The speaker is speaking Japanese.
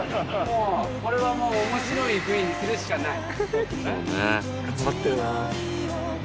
これはもう面白いＶにするしかない。